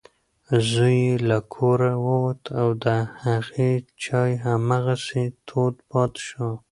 زوی یې له کوره ووت او د هغې چای هماغسې تود پاتې شو.